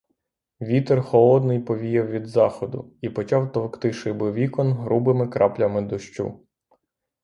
Вітер холодний повіяв від заходу і почав товкти шиби вікон грубими краплями дощу.